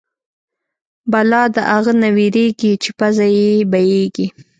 بلا د اغه نه وېرېږي چې پزه يې بيېږي.